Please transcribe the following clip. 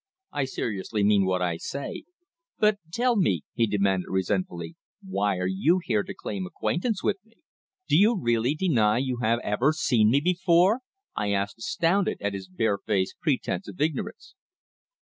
"I seriously mean what I say. But, tell me," he demanded resentfully, "why are you here to claim acquaintance with me?" "Do you really deny you have ever seen me before?" I asked, astounded at his barefaced pretence of ignorance.